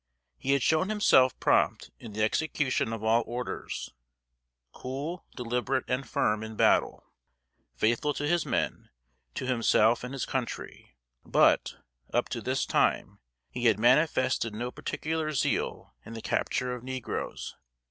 He had shown himself prompt in the execution of all orders; cool, deliberate, and firm in battle; faithful to his men, to himself and his country; but, up to this time, he had manifested no particular zeal in the capture of negroes.